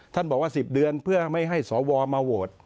บอกว่า๑๐เดือนเพื่อไม่ให้สวมาโหวต